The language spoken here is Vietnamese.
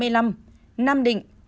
nam định một trăm sáu mươi bốn